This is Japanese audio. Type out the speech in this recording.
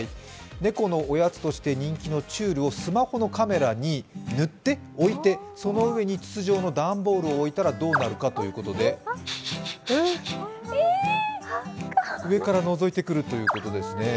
猫のおやつとして人気のちゅるをスマホのカメラに塗って置いて、その上に筒状の段ボールを置いたらどうなるかということで、上からのぞいてくるということですね。